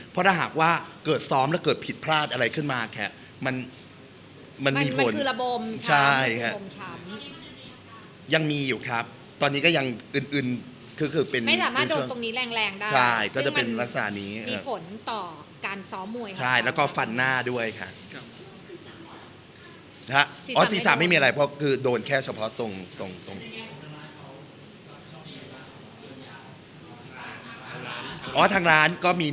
เพราะถ้าหากว่าเกิดซ้อมแล้วเกิดผิดพลาดอะไรขึ้นมาแค่มันมันมีผลมันคือระบมใช่ค่ะมันคือระบมใช่ค่ะมันคือระบมใช่ค่ะมันคือระบมใช่ค่ะมันคือระบมใช่ค่ะมันคือระบมใช่ค่ะมันคือระบมใช่ค่ะมันคือระบมใช่ค่ะมันคือระบมใช่ค่ะมันคือระบมใช่ค่ะมันคือระบม